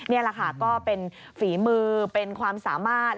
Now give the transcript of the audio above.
นี่แหละค่ะก็เป็นฝีมือเป็นความสามารถ